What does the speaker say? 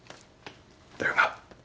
だよな。